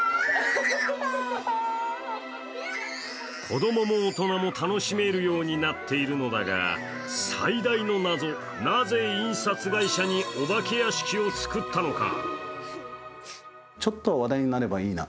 子供も大人も楽しめるようになっているのだが、最大の謎、なぜ印刷会社にお化け屋敷をつくったのか。